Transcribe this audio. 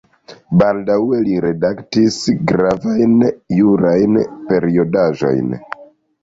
Baldaŭe li redaktis gravajn jurajn periodaĵojn.